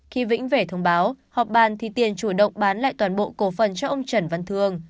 khi vĩnh về thông báo họp bàn thì tiền chủ động bán lại toàn bộ cổ phần cho ông trần văn thương